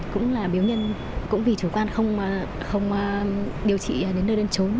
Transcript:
cũng là miếu nhân cũng vì chủ quan không điều trị đến nơi đơn chống